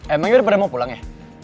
emang ya daripada mau pulang ya